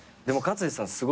でも勝地さん